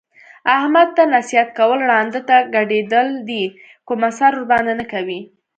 احمد ته نصیحت کول ړانده ته ګډېدل دي کوم اثر ورباندې نه کوي.